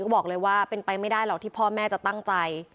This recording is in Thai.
ก็บอกเลยว่าเป็นไปไม่ได้หรอกที่พ่อแม่จะตั้งใจ